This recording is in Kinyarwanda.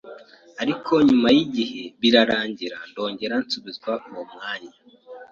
ariko nyuma y’igihe birarangira ndongera nsubizwa uwo mwanya